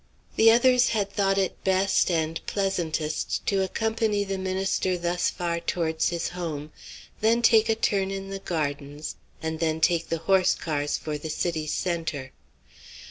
The others had thought it best and pleasantest to accompany the minister thus far towards his home, then take a turn in the gardens, and then take the horse cars for the city's centre.